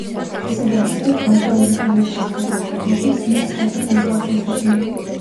შესაბამისად, გარკვეული პერიოდის განმავლობაში ისინი სწრაფად ვითარდებოდნენ.